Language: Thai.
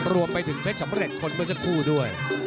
รวมไปถึงเพชรสำเร็จคนเมื่อสักครู่ด้วย